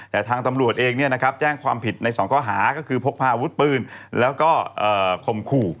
แต่ทางตำรวจเองแจ้งความผิดใน๒ข้อหาก็คือพกพาอาวุธปืนแล้วก็ข่มขู่